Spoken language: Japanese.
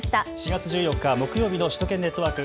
４月１４日木曜日の首都圏ネットワーク